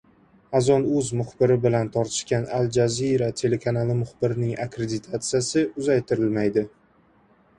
Azon.uz muxbiri bilan tortishgan Al Jazeera telekanali muxbirining akkreditatsiyasi uzaytirilmaydi